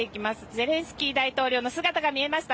ゼレンスキー大統領の姿が見えました。